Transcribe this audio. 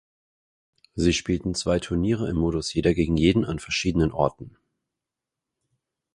Sie spielten zwei Turniere im Modus Jeder gegen Jeden an verschiedenen Orten.